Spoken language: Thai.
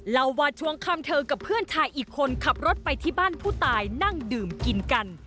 เล่าว่าช่วงค่ำเธอกับเพื่อนชายอีกคนขับรถไปที่บ้านผู้ตายนั่งดื่มกินกัน